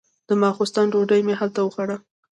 د ماسختن ډوډۍ مې هلته وخوړه.